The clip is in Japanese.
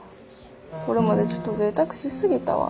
これまでちょっとぜいたくしすぎたわ。